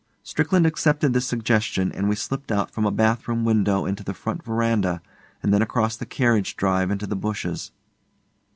Strickland accepted this suggestion, and we slipped out from a bath room window into the front verandah and then across the carriage drive into the bushes.